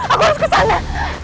aku harus ke sana